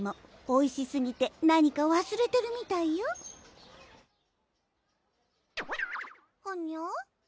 おいしすぎて何かわすれてるみたいよはにゃ？